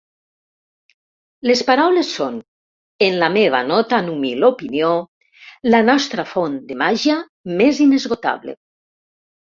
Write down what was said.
Les paraules són, en la meva no tan humil opinió, la nostra font de màgia més inesgotable.